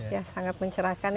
ya sangat mencerahkan